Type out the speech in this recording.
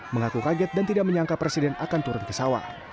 mengaku kaget dan tidak menyangka presiden akan turun ke sawah